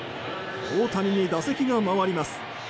大谷に打席が回ります。